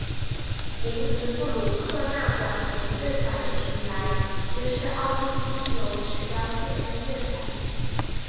林兹布鲁克纳管弦乐团一直以来皆是奥地利具有指标性的音乐团体。